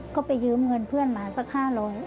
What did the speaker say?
ก็ไปยืมเงินเพื่อนมาสัก๕๐๐บาท